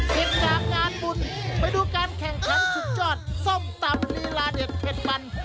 จากงานบุญไปดูการแข่งขันสุดยอดส้มตำลีลาเด็ดเผ็ดมัน